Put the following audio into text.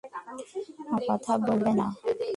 আমার সাথে কথা বলবে না?